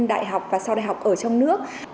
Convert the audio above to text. đại học và sau đại học ở trong nước